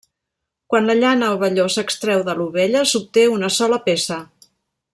Quan la llana o velló s'extreu de l'ovella s'obté una sola peça.